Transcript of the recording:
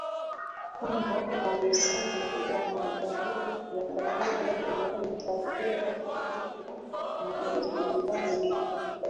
kuna mahesabu ya nadharia inayotakiwa katika majadiliano yetu